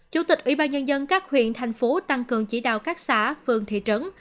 chủ tịch ủy ban nhân dân các huyện thành phố tăng cường chỉ đạo các xã phường thị trấn